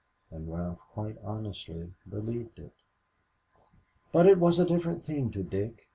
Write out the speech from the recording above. And Ralph quite honestly believed it. But it was a different thing to Dick.